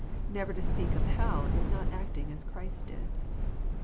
Never to speak of hell is not acting as Christ did.